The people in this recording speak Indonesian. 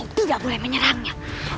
kau tidak boleh menyerangnya